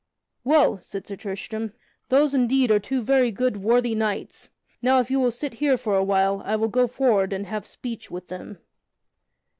"Well," said Sir Tristram, "those are indeed two very good, worthy knights. Now if you will sit here for a while, I will go forward and have speech with them."